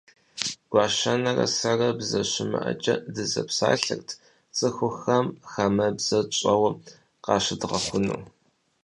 Гуащэнэрэ сэрэ, бзэ щымыӏэкӏэ дызэпсалъэрт, цӏыхухэм хамэбзэ тщӏэуэ къащыдгъэхъуну.